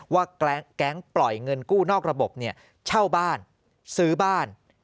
ว่าแก๊งปล่อยเงินกู้นอกระบบเช่าบ้านซื้อบ้าน